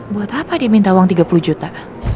buat apa dia minta uang tiga puluh juta